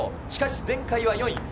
しかし前回は４位。